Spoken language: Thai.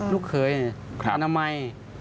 ลูกเขยอนามัย